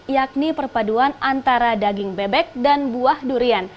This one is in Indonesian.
yakni perpaduan antara daging bebek dan buah durian